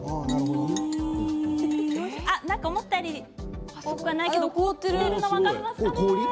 思ったより多くはないけど凍っているの分かりますかね。